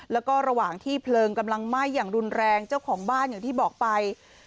แล้วก็ระหว่างที่เพลิงกำลังไหม้อย่างรุนแรงเจ้าของบ้านอย่างที่บอกไป